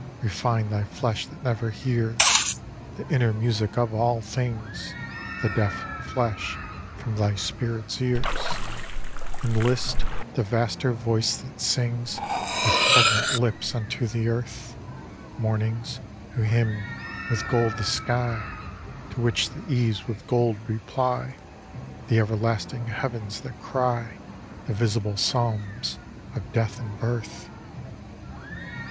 Refine thy flesh that never hears The inner music of all things, The deaf flesh, from thy spirit's ears, And list the vaster voice that sings With pregnant lips unto the Earth: Mornings, who hymn with gold the sky, To which the eves with gold reply The everlasting heavens that cry The visible psalms of death and birth.